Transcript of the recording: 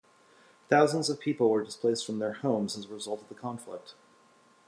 Thousands of people were displaced from their homes as a result of the conflict.